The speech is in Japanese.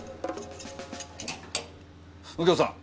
右京さん。